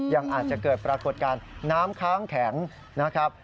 ยังอาจจะเกิดปรากฏการณ์น้ำค้างแข็งนะครับ